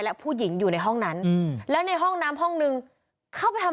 และผู้หญิงอยู่ในห้องนั้นแล้วในห้องน้ำห้องนึงเข้าไปทำ